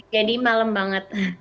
jadi malam banget